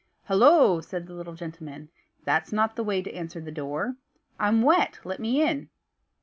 "Hollo!" said the little gentleman, "that's not the way to answer the door. I'm wet, let me in."